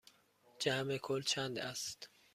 جمع کل چند است؟